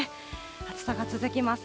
暑さが続きます。